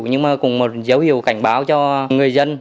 nhưng mà cũng một dấu hiệu cảnh báo cho người dân